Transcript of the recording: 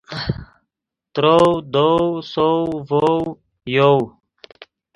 ترؤ، دؤ، سؤ، ڤؤ، یؤ